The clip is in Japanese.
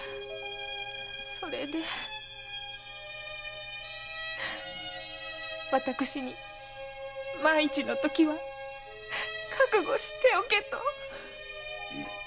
それで私に万一のときは覚悟しておけと。